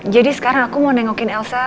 jadi sekarang aku mau nengokin elsa